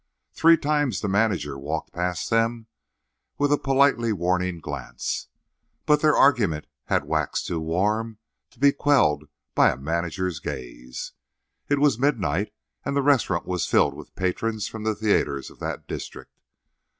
Three times the manager walked past them with a politely warning glance; but their argument had waxed too warm to be quelled by a manager's gaze. It was midnight, and the restaurant was filled with patrons from the theatres of that district.